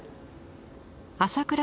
朝倉